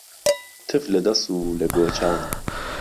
تف لەدەس و لە گۆچان